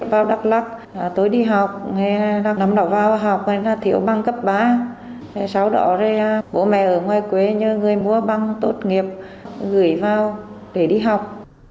vào đắk lắc tối đi học nắm đỏ vào học thiếu bằng cấp ba sáu đỏ rồi bố mẹ ở ngoài quê như người mua bằng tốt nghiệp gửi vào để đi học